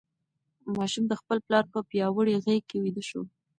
ماشوم د خپل پلار په پیاوړې غېږ کې ویده شو.